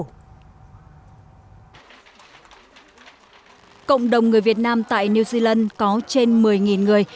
cộng đồng người việt nam tại new zealand có trên một mươi người